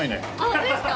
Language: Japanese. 本当ですか？